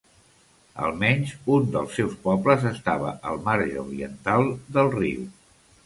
Almenys un dels seus pobles estava al marge oriental del riu.